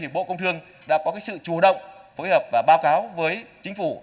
bộ công thương đã có sự chủ động phối hợp và báo cáo với chính phủ